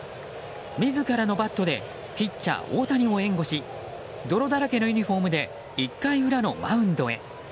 自らのバットでピッチャー大谷を援護し泥だらけのユニホームで１回裏のマウンドへ。